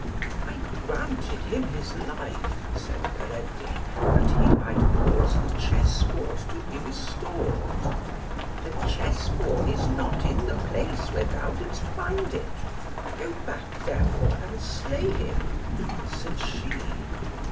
"I granted him his life," said Peredur, "that he might cause the chessboard to be restored." "The chessboard is not in the place where thou didst find it; go back, therefore, and slay him," answered she.